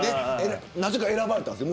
なぜか選ばれたんです。